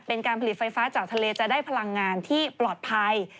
เป็นการผลิตไฟฟ้าจากทะเลจะได้พลังงานที่ปลอดภัย